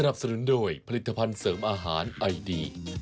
โปรดติดตามตอนต่อไป